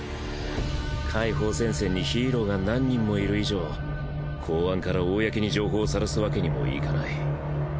解放戦線にヒーローが何人もいる以上公安から公に情報を晒すわけにもいかない。